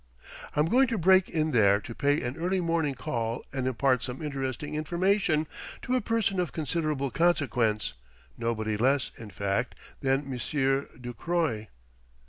"I'm going to break in there to pay an early morning call and impart some interesting information to a person of considerable consequence nobody less, in fact, than Monsieur Ducroy."